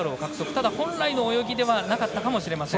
ただ、本来の泳ぎではなかったかもしれません。